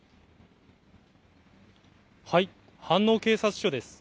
飯能警察署です。